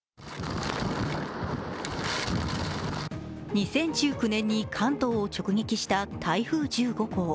２０１９年に関東を直撃した台風１５号。